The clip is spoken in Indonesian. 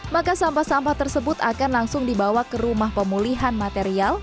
maka sampah sampah tersebut akan langsung dibawa ke rumah pemulihan material